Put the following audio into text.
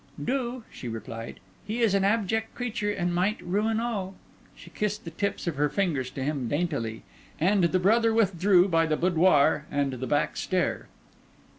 "Do," she replied. "He is an abject creature, and might ruin all." She kissed the tips of her fingers to him daintily; and the brother withdrew by the boudoir and the back stair.